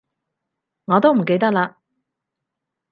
我都唔記得喇